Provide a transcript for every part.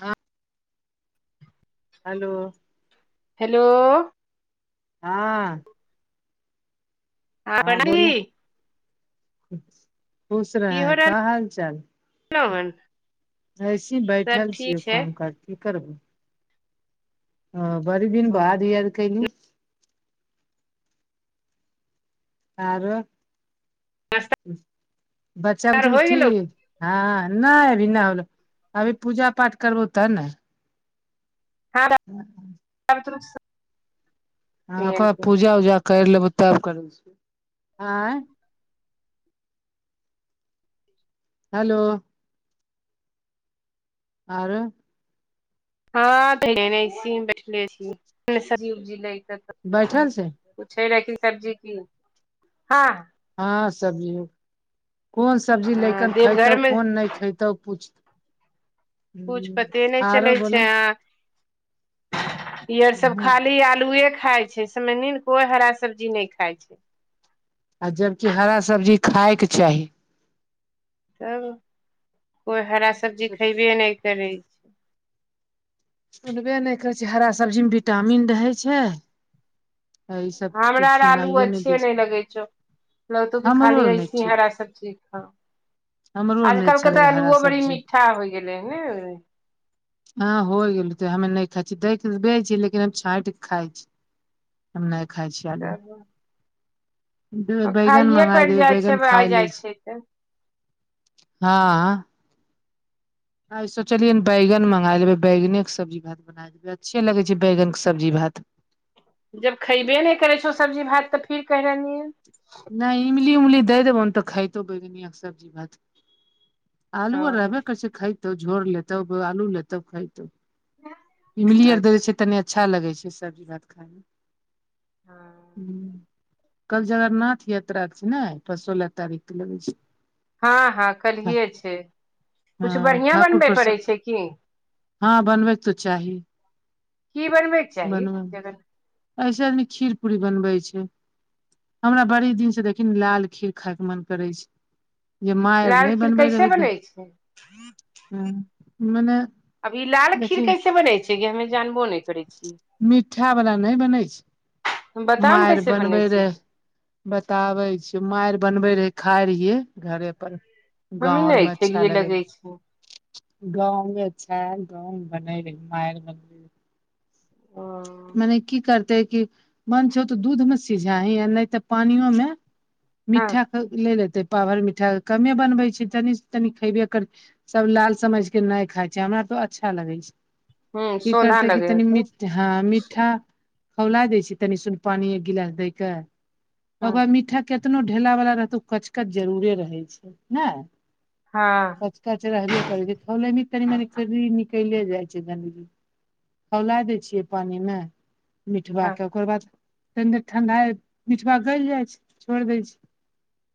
हँ hello hello हँ हँ बी खुश रहे है कऽ हाल चाल। गन ऐसे बैठल छियै काम काज की करबौ। ह बर दिन बाद दी अद कैल। आरो बच्चा आर बतरू होइ गेलौ ह नहि अभी नहि होलो अभी पूजा पाठ करबो तब ने। हँ द [inaudible] त ह ओरा पूजा उजा करि लेबै तब करै छी आ हेलो आर हँ तऽ ऐसे बैठले छी सब्जी उब्जी लै के बैठल छै पुछे रखी सब्जी कि हँ। हँ सब्जी कोन सब्जी लैकन खतो देवघर मे कोन नहि खइतोु छै कुछु पते नहि आरो चलै छै आ। ई आर सभ बोले खाली आलुए खाय छै सेनी ने कोई हरा सब्जी नहि खाय छै। आ जबकि हरा सब्जी खायके चाही। तब कोइ हरा सब्जी खयबे नहि करे सुनबे नहि करै छै हरा सब्जी मे विटामिन रहै छै। ई सबके हमरा आर आलू सुनाइए दै अच्छे छै नहि लगै छै लतो कऽ हमरो खाली आर नहि ऐसी ठीक हैरा सभ चीज। ह हमरो आर नहि आजकल अच्छा के तऽ लगे हरा आल्लुओ बड़ी सब्जी मीठा होइ गेलै ह ने हो गेल त हमे नहि खाइ छै देख के बे छै लेकिन हम छाँटिक के खाय छी। [inaudible] हम नहि खाय छियै आलू। तब बैगन खाइए मंगा पड़ि देबै जाइ छै बैगन आ खाय ले जाइ छै तऽ हँ। सोचलियै बैगन मंगा ले बैगने के सब्जी भात। अच्छे लगै छै बैगने सब्जी भात जब खयबे नहि करै छौ सब्जी भात त फिर कहि रहलियै। नहि इमली उमली दे देबौन तऽ खाइतो बैगनिय सब्जी भात आलू ओ आर रहबे कैस खाय तौ झोर लेतौ आलू लेतौ खाय त [inaudible] इमली आर दै अच्छा छै तनि अच्छा लगै छै सब्जी भात खाइमे। ह कल जगरनाथ यात्रा के छै ने फ सोलह तारीख के लगे छै हँ हँ कलहि छै हँ कछु बढ़िआ ठाकुर बनबे पड़ै प्रसाद छै कि हँ बनबैके त चाही की बनबैके चाही बनबै। जखन ऐसे आदमी खीर पूरी बनबै छै हमरा बड़ी दिन से देखी लाल खीर खाय के मन करै छै। जे माय आर लाल नहि खीर बनबै कैसे रहै बनै हँ मने अब ई लाल खीर देखिन केसे बनै छै जे हमे जानबो नहि करै छीयै। मिठा बला नहि बनै छै बताउ ने मारि कैसे बनै बनबै छै रहे। बताबै छी मार बनबै रहै खाय रहियै घरे पर। हमी गाव नहि मे अच्छा खेलियै लगे। लगै छै गाव भी अच्छा है गाव मे बने रह मे मन्द। ओ मने कि करतै कि मन छौ तऽ दूध मे सिझा ही आ नहि तऽ पानियो मे हँ मीठा लेतै पावर मिठाइ कमे बनबै छै तनी तनी खयबे कर सभ लाल समझ के नहि खाइ छै हमरा तो अच्छा लगै छै हूँ की सोधा करते क लगे तनि होतो मिठ हँ मिठ्ठा खौला दै छी तनि सुन पानी एक गिलास दै क हूँ ओकर बाद मीठा कतनो ढेला वाला रहतौ ओ कचकच जरूरे रहै छै ने। ह पचक र हरे करै छै खल मे तनि मने कि निकल जाइ छै गधजी। हौला दै छियै पानि मे हँ मिठवाे ओकर बाद अन्दर ठंडा बिठवा गलि जाइ छै छोड़ देय छै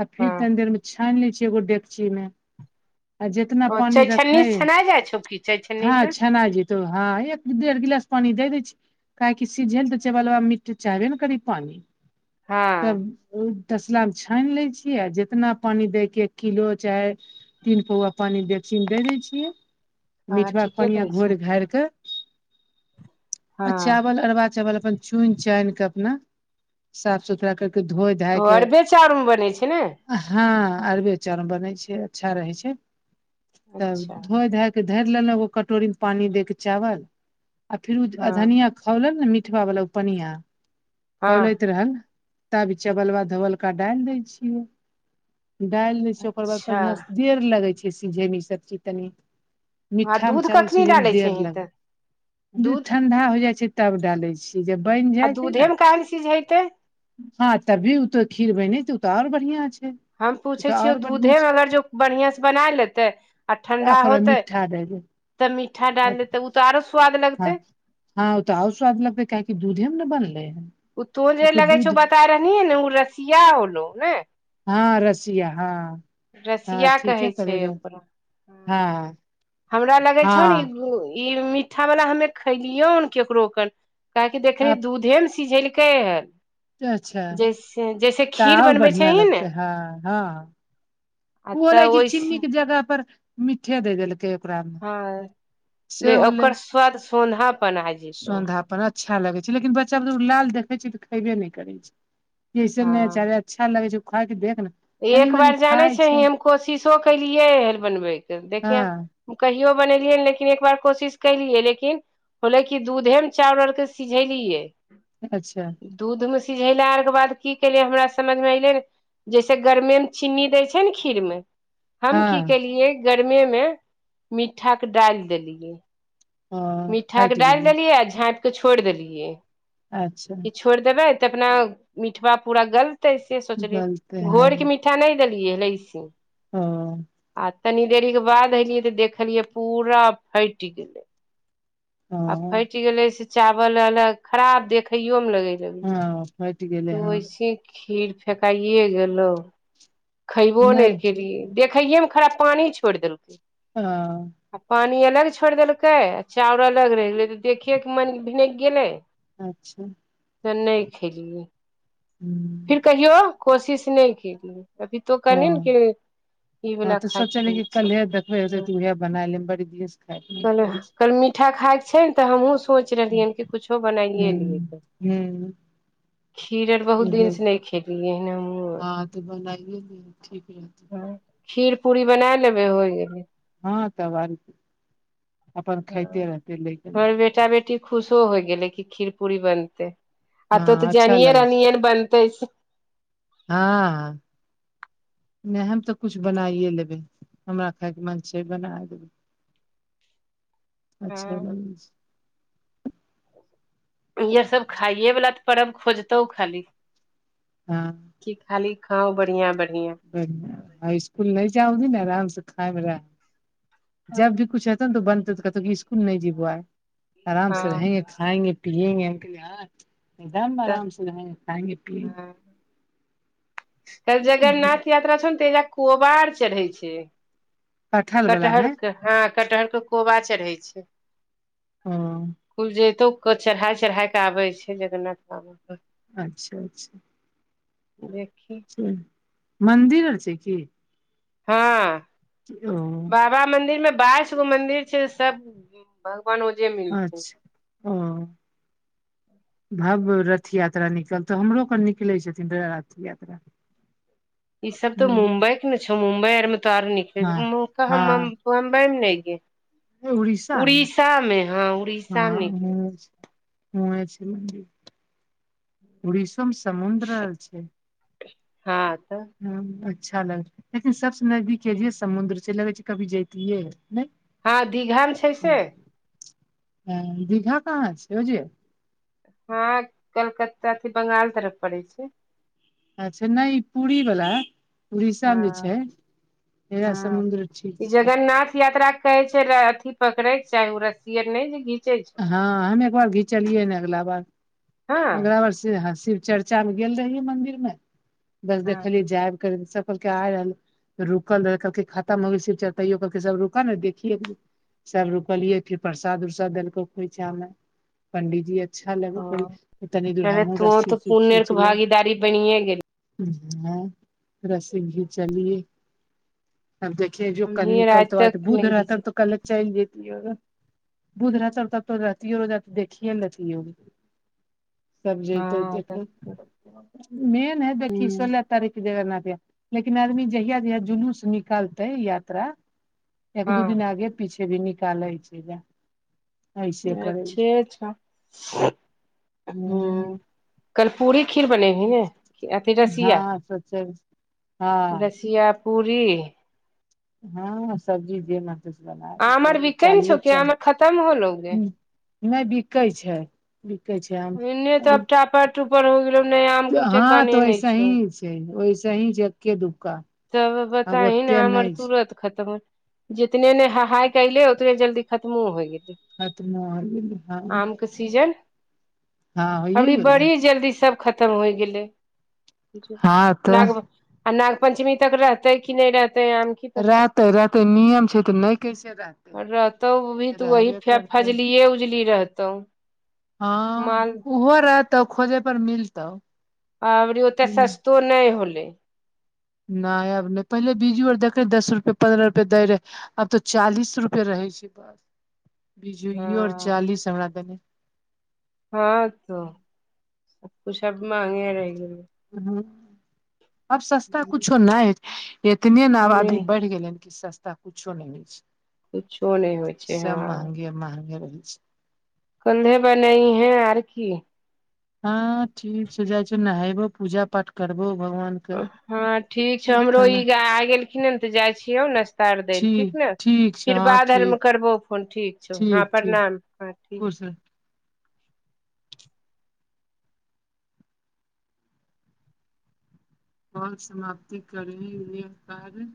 आ फिर त हँ अ देर मे छानि लै छियै एगो डेकची आ जेतना ओ पानी चैछन्नी रखै से छना जाइ छौ की चैछन्नी ह से छना जेतै। एक एक देडर गिलास पानि दै छी काहेकि सिझल तऽ चा मिट्टी चाहबे ने करी पानि। तब हँ ओ तसलामे छानि लै छियै आ जितना पानि दैके किलो चाहे तीन पौआ पानि बेकचिन दे दै छियै हँ मीठवा के ठीके पानिया कहै छी घोरि घारि क। आ हँ चावल अरवा चावल अपन चुनि चान के अपना साफ सुथरा कर। के धोए ओ धायके। अरबे चाउर मे बनै छै ने हँ अरबे चाउर बनै छै अच्छा रहै छै तब अच्छा धोए। के धरि लेल एो कटोरी मे पानी दे के चावल। आ फिर ओ हँ धनिया खौलल ने मीठव बला ओ पनिआ खौलैत हँ रहल। तभी चबल बा धबलका डालि दै छियै डालि दै छैय ओकर बाद अच्छा बढ़िआसँ देर लगै छै सीझयमे इसभ चीज तनि। आ मिठा मे दूध चावल कखनी सि मे डालै देर छही लग तऽ दूध ठंढा हो जाइ छै तब डालै छियै जब बनि आ जाइ छै दूधे ने मे काहे ले सिझेतै हँ तबभी ओ तो खीर बैने त ओ तऽ आओर बढ़िया छै। हम ओ पूछै तऽ छियै आओर बढ़िया दूधेमे अगर जे बढ़िआ से बनाय लेतै आ ठंडा होतै जे। तब मीठा डाल देते तऽ आरो स्वाद हँ लगते। हँ ओ तऽ आर स्वाद लगतै काहि दूधे मे ने बनले है। ओ तो जे लगै छौ बता रहनी ने ओ रसिया होलो ने। हँ रसिया ह ह रसिया कहै ठीके छै करे रहे ओकरा हँ हमरा लगै छौ ने ई हँ ई मीठावला हमे खलियौन ककरो क काहेकि देखली दूधे ने सिझेलकै हन अच्छा जैसे जैसे तऽ खीर आब बनबै बढ़िया छही ने लगते हँ ह। आ ओ होलै तऽ क ओइसे चीनी के जगह पर मिठे दे देलकै ओकरा मे से हँ होलै ओकर स्वाद सोधा बना जेतौ सौंधापन अच्छा लगे छै लेकिन बच्चा लाल देखे छै तऽ खेबे नहि करे छै जसन नहिचार। हँ छालाे चोखा देख के ने तनी एक मनी बार जानै खाय छै छही हम कोशिशो केलियै हर बनबैके देखिये। हँ कहि बनेलियै लेकिन एक बार कोशिश कलियै लेकिन। होले की दूधे मे चावउ आर के सिझेलियै अच्छा। दूधमे सिझेलरके बाद की केले हमरा समझमे एले से गरमे मे चीनी देय छै ने खीर मे हम की हँ केलियै। गर्मे मे मीठा के डालि देलियै ओ मिीठाक के फाटि डालि गेलै देलियै आ झाँपि कऽ छोड़ि देलियै। अच्छा। कि छोड़ि देबै तऽ अपना मिठवा पूरा गलतै से सोचलियै गलते हैं घोर के मिठ ठा नहि देलियै लैसी ओ तनि देरीके बाद एयलियै तऽ देखलियै पूरा फटि गेलै। ओ आ फट गेले से चावल अलग खराब देखईयो मे लगे हँ फटि गेलै छै। हँ वऐसे खीर फेकाइे गेलहु खैबो नहि केलियै। देखैए मे खराब पानी छोड़ि देलकै। ह। आ पानि अलग छोड़ि देलकै आ चाउर अलग रहि गेलै तऽ देखएके मन भिनकि गेलै। अच्छा तऽ नहि खेलियै। हूँ [inaudible] फिर कहियो कोशिश नहि केल अभी तो कहनिन कि हँ ई हँ वला खायके मन छै बनाइले बड़ी दिन खाय नहि कहल पड़ै छै कल मीठा खायके छै ने तऽ हमहूं सोच रहलिय हन कि कुछो बनाइए लियै तऽ हूँ खीर आर बहुत दिन हूँ सँ नय खेलियै हन हमहूँ आओर हँ तऽ बनाइए लियौ ठीक रहतै हँ खीर पूरी बना लेबे होइ गेलै हँ तब आर अपन खइते रहतै लैकन हमर बेटा बेटी खुशो होइ गेलै कि खीर पूरी बनतै आ तो हँ तऽ अच्छा जनिये लगै छै रहनिय हन बनतै से हँ नय हम तऽ कुछ बनाइए लेबै हमरा खायके मन छै बना देबै [inaudible] अच्छा हँ इह सब खाइए वला तऽ परब खोजतौ खाली। हँ कि खाली खाउ बढ़ियां बढ़ियां हूं इसकुल नय जाउगी ने आराम से खायब रह जब भी कुछ बनतौ त कहतौ स्कुल नय जेबो आय आराम से [unintelligible] हँ हम कहलियै हं एकदम तऽ आराम [unintelligible] कल जगन्नाथ यात्रा छौ ने तेजा कोबार चढ़ै छै कटहल बला कटहर ने के हँ कटहर के कोबा चड़है छै। ओ कुल जैतो चढ़ाय चढ़ाय क आबै छै जगन्नाथ बाबा पर। अच्छा अच्छा। देखि। मन्दिर आओर छै की हँ किरोऽ बाबा मंदिर मे बाइस गो मंदिर छै सब भगवान ओजे मिलथिन अच्छा ओ [inaudible] भव्य रथ यात्रा निकलतौ हमरो पर निकलै छथिन रथ यात्रा ई सब तो मुम्बई के ने छौ मुम्बई आर मे तो आर निक कह [unintelligible] हँ हँ मुंबई मे नय गै उड़ीसा मे हँ उड़ीसा मे निकले [unintelligible] उड़िसोमे समुद्र छै हँ तऽ ह अच्छा लग लेकिन सबसे नजदीके जे समुद्र छै लगै छै कभी जतिये हँ दीघन छै। से हं दीघा कहाँ छै ओ जे हँ कलकत्ता के बंगाल तरफ पड़ै छै अच्छा नय ई पूरी बला उड़ीसा मे छै हँ इहे समुद्र ठीक छै। नाथ यात्रा कहै छेलै अथी पकड़ैक चाहि ओ रस्सियर नय जे घीच। हँ हम एक बार घिचलियै ने हँ [unintelligible] चर्चा मे गेल रहिय मंदिर मे बस हँ देखलियै जायब कर सब कहलक आय रहल। रुकल रहै कहलकै खाता मंग चयोलकै सब रुका ने देखिय। सब रुकलियै। फिर प्रसाद उरसाद देलको खोइछा मे पंडीजी अच्छा लग ओ तनी दूर चले हमहुँ तो रस्सी तऽ उस्सी पुण्य आर के भागीदारी बनिये गेल खीचलहु। हँ रस्सी घीचलियए। तब देखिय जो कल हमहीं आर आज निकलत आ तक त बुध नहि रह घीच त तऽ कलत चलि जेती ओ भूधरा चलता रोजति रोज देखीए ने लतियौ। सब जैतौ हँ देखै मेन है। देखही सो तारीख जगन्नाथ य लेकिन आदमी जहिया जहिया जुलूस निकलतै यात्रा एक दू दिन हँ आगे पीछे भी निकालै छै। ऐसे करै अच्छे छै हँ। हूँ, कर्पूरी खीर बनेबही ने। अथी रसिया हँ सोचे हँ रसिया पूड़ी हँ सब्जी दियना। किछ बना आम आर वीकै ने छौ। कि आम आर खतम होलौ गे। नहि बिकै छै। बिकै छै। आम अभी टपर हो गेलो आम के ठेकाने नहि छौ। ओहिसे ही छै एके दुका। तब बताही ने आमर तुरत खतम हँ जितने ने हहाइ कले उतने जल्दी खतमो होइ गेलै खतमो होइ गेलै हँ। आम सीजन हँ होइए अबरी गेलै बड़ी जल्दी सब खतम होइ गेलै। हँ तऽ पञ्चमी तक रहतेै कि नहि रहतेै आम की पता रहतै रहतै नियम छै तऽ नहि कैसे रहतै रहतौ उ भी तऽ वही रहबे फेर करतै फजलिये उजली रहतौ हँ माल उहो रहतौ खोजे पर मिलतौ अब ओते सस्तो नय होलै नहि आब नहि पहिले बिजू आर देखेै दस रुपे पन्द्रह रुपए दै रहै। आब तो चालीस रुपे रहे छै बस बिजुयो आर हँ चालीस हमरा देने हँ तऽ सबक सब माँंहगे रहि गेल। हँ अब सस्ता कुछो नय हय एतने ने आबादी नहि बढ़ि गेलै हन कि सस्ता कुछो नहि मिलै छै। कुछो नहि होइ छै सब हँ महंगे महंगे रहै छै कल्हे बनैहें आर की हँ ठीक छै जाइ छियौ नहेबो पूजा पाठ करबौ भगवान के हँ ठीक छै हमरो इ खाना ग आ गेलखिन तऽ जाइ छियौ नाास्ता आर दै लऽ ठीक ने छै फीर हँ बाद ठीक आरमे करबो फोन ठीक छौ हँ प्रणाम हँ ठीक खुश रह आओर समाप्ति करेि ले कारण